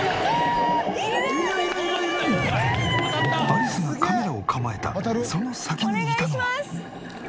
アリスがカメラを構えたその先にいたのは。